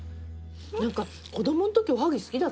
何か子供のときおはぎ好きだった？